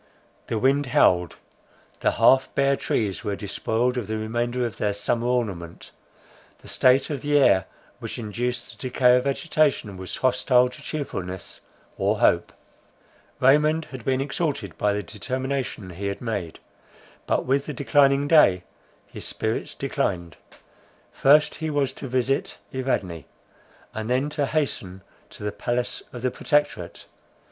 The wind howled; the half bare trees were despoiled of the remainder of their summer ornament; the state of the air which induced the decay of vegetation, was hostile to cheerfulness or hope. Raymond had been exalted by the determination he had made; but with the declining day his spirits declined. First he was to visit Evadne, and then to hasten to the palace of the Protectorate.